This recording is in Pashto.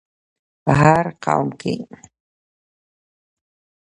په هر قوم کې